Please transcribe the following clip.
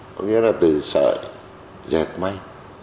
có nghĩa là từ sợi dệt may